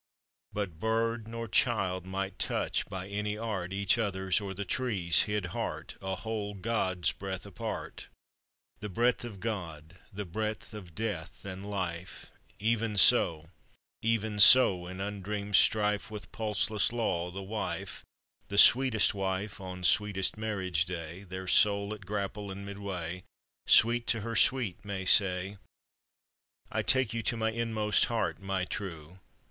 But bird nor child might touch by any art Each other's or the tree's hid heart, A whole God's breadth apart; The breadth of God, the breadth of death and life! Even so, even so, in undreamed strife With pulseless Law, the wife, The sweetest wife on sweetest marriage day, Their soul at grapple in mid way, Sweet to her sweet may say: "I take you to my inmost heart, my true!"